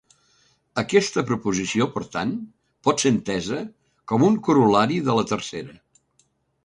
Aquesta proposició, per tant, pot ser entesa com un corol·lari de la tercera.